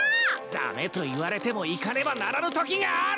駄目と言われても行かねばならぬときがある！